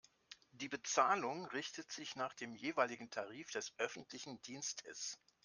Die Bezahlung richtet sich nach dem jeweiligen Tarif des öffentlichen Dienstes.